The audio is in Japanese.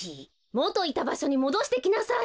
もといたばしょにもどしてきなさい！